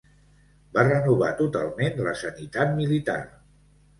Va renovar totalment la sanitat militar.